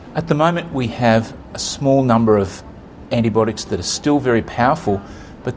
kita memiliki beberapa antibiotik yang masih sangat kuat